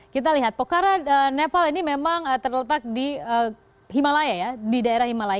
kita lihat pocara nepal ini memang terletak di himalaya ya di daerah himalaya